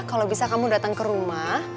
kalau bisa kamu datang ke rumah